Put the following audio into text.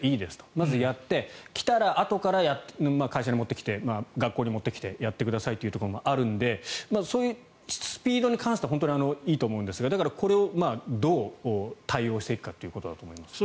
まずやって、来たらあとから会社に持ってきて学校に持ってきてやってくださいというところもあるのでそういう、スピードに関しては本当にいいと思うんですがだからこれをどう対応していくかということだと思うんですが。